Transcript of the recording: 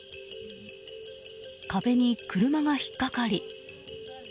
壁に車が引っ掛かり。